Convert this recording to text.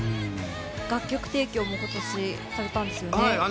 楽曲提供も今年されたんですよね。